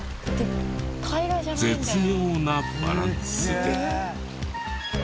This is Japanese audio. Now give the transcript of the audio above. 絶妙なバランスで。